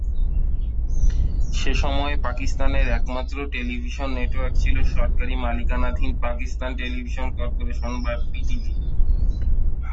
সে সময়ে পাকিস্তানের একমাত্র টেলিভিশন নেটওয়ার্ক ছিল সরকারি মালিকানাধীন পাকিস্তান টেলিভিশন কর্পোরেশন বা পিটিভি।